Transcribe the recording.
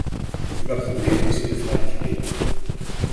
Über Probleme müssen wir freilich reden.